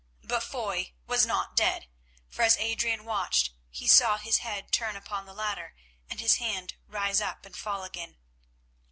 But Foy was not dead, for as Adrian watched he saw his head turn upon the ladder and his hand rise up and fall again.